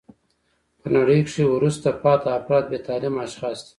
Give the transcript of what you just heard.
په نړۍ کښي وروسته پاته افراد بې تعلیمه اشخاص دي.